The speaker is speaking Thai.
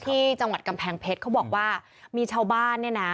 ที่จังหวัดกำแพงเพชรเขาบอกว่ามีชาวบ้านเนี่ยนะ